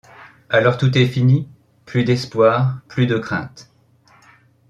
Alors tout est fini. Plus d’espoir, plus de crainte.